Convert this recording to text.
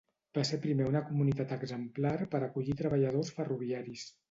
Va ser primer una comunitat exemplar per acollir treballadors ferroviaris.